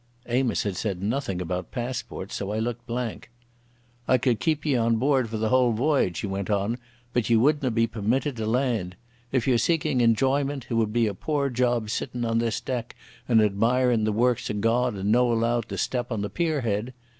Amos had said nothing about passports, so I looked blank. "I could keep ye on board for the whole voyage," he went on, "but ye wouldna be permitted to land. If ye're seekin' enjoyment, it would be a poor job sittin' on this deck and admirin' the works o' God and no allowed to step on the pier head.